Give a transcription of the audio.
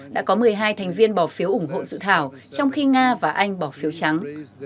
đã có một mươi hai thành viên bỏ phiếu ủng hộ dự thảo trong khi nga và anh bỏ phiếu trắng